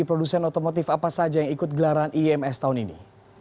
produsen otomotif apa saja yang ikut gelaran ims tahun ini